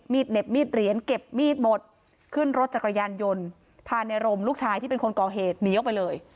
เหน็บมีดเหรียญเก็บมีดหมดขึ้นรถจักรยานยนต์พาในรมลูกชายที่เป็นคนก่อเหตุหนีออกไปเลย